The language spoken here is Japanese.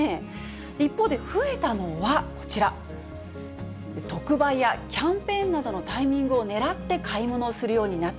一方で増えたのはこちら、特売やキャンペーンなどのタイミングを狙って買い物をするようになった。